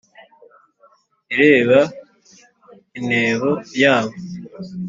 ireba intebo yabo,